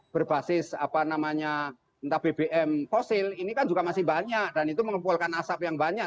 berbasis apa namanya entah bbm fosil ini kan juga masih banyak dan itu mengumpulkan asap yang banyak